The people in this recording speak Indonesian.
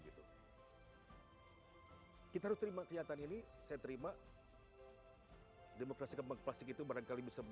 kita harus terima kenyataan ini saya terima demokrasi kembang plastik itu barangkali bisa